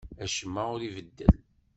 Acemma ur ibeddel.